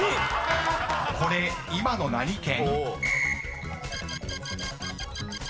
［これ今の何県？］